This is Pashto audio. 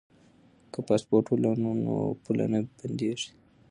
که پاسپورټ ولرو نو پوله نه بندیږي.